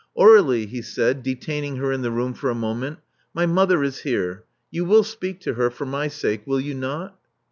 Aur€lie," he said, detaining her in the room for a moment: my mother is here. You will speak to her — for my sake — will you not?"